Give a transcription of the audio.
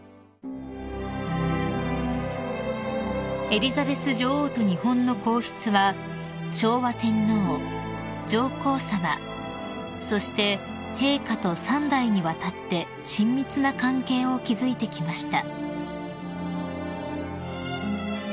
［エリザベス女王と日本の皇室は昭和天皇上皇さまそして陛下と三代にわたって親密な関係を築いてきました］